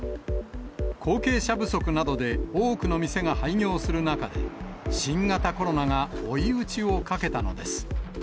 後継者不足などで多くの店が廃業する中で、新型コロナが追い打ちをかけたのです。